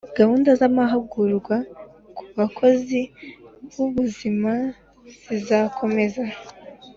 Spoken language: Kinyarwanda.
gahunda z'amahugurwa ku bakozi b'ubuzima zizakomeza.